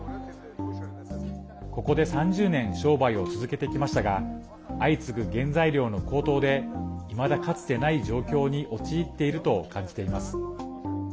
ここで３０年商売を続けてきましたが相次ぐ原材料の高騰でいまだかつてない状況に陥っていると感じています。